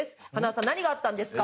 「塙さん何があったんですか？」